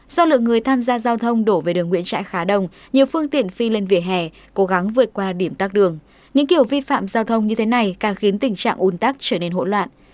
do lượng người tham gia giao thông đổ về đường nguyễn trãi khá đông nhiều phương tiện phi lên vỉa hè cố gắng vượt qua điểm tắt đường những kiểu vi phạm giao thông như thế này càng khiến tình trạng un tắc trở nên hỗn loạn